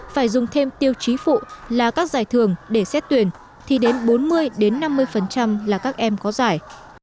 phải dùng thêm tiêu chí phụ là các giải thưởng để xét tuyển thì đến bốn mươi năm mươi là các em có giải